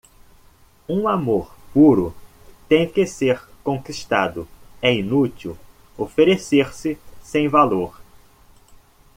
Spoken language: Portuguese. Um amor puro tem que ser conquistado, é inútil oferecer-se sem valor.